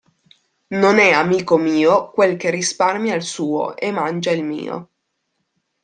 Non è amico mio quel che risparmia il suo e mangia il mio.